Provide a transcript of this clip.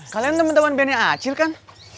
kalian temen temen bandnya acil kan